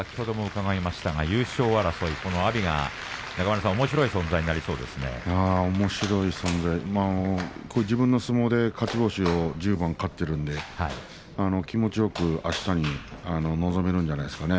優勝争い、この阿炎中村さん、おもしろい存在に自分の相撲で勝ち星を１０番勝っているので気持ちよく、あしたに臨めるんじゃないですかね。